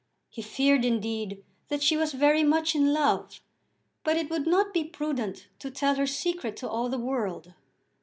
He feared, indeed, that she was very much in love, but it would not be prudent to tell her secret to all the world.